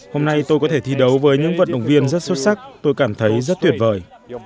hôm nay tôi có thể thi đấu với những vận động viên rất xuất sắc tôi cảm thấy rất tuyệt vời